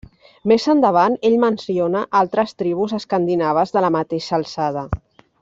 Més endavant ell menciona altres tribus escandinaves de la mateixa alçada.